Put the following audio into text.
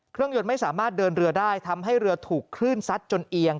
เครื่องยนต์ไม่สามารถเดินเรือได้ทำให้เรือถูกคลื่นซัดจนเอียง